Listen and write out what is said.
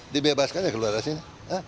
dibebaskan ya keluar dari sini